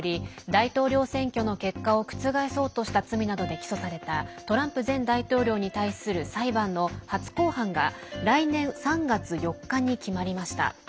大統領選挙の結果を覆そうとした罪などで起訴されたトランプ前大統領に対する裁判の初公判が来年３月４日に決まりました。